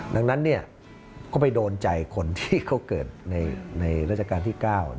ดังนั้นก็ไปโดนใจคนที่เขาเกิดในราชการที่๙